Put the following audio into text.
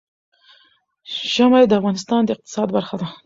ژمی د افغانستان د اقتصاد برخه ده.